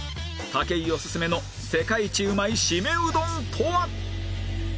武井おすすめの世界一うまいシメうどんとは！？